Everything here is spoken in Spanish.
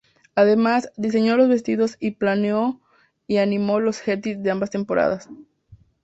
Además, diseñó los vestidos y planeó y animó los endings de ambas temporadas.